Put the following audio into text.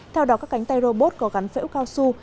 theo đó các cánh tay robot có gắn phễu cao su